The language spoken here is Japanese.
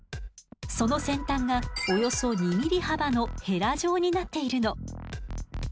その先端がおよそ２ｍｍ幅のヘラ状になっているの。